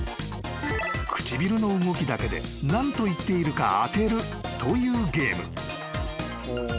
［唇の動きだけで何と言っているか当てるというゲーム］